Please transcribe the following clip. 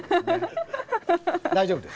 大丈夫です。